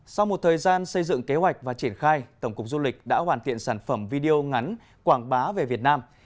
sau một thời gian xây dựng kế hoạch và triển khai tổng cục du lịch đã hoàn thiện sản phẩm video ngắn quảng bá về việt nam